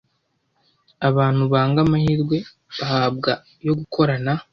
Abantu banga amahirwe bahabwa yo gukorana